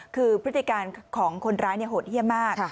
คือพฤติการของคนร้ายโหดเยี่ยมมาก